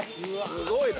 ◆すごいな。